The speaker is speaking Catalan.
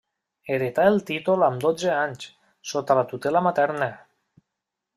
Heretà el títol amb dotze anys, sota la tutela materna.